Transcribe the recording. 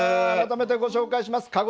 改めてご紹介します。